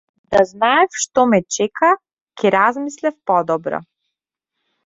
Да знаев што ме чека ќе размислев подобро.